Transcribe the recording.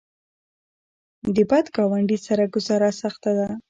د بد ګاونډي سره ګذاره سخته ده.